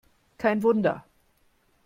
Kein Wunder!